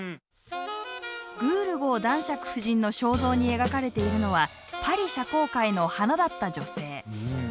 「グールゴー男爵夫人の肖像」に描かれているのはパリ社交界の華だった女性。